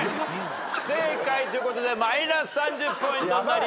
不正解ということでマイナス３０ポイントになりました。